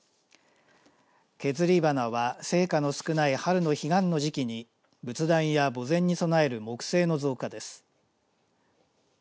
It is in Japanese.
削り花は生花の少ない春の彼岸の時期に仏壇や墓前に供える木製の造花です。